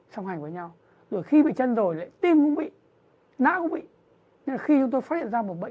song hành với nhau rồi khi bị chân rồi lại tim cũng bị nã cũng là khi chúng tôi phát hiện ra một bệnh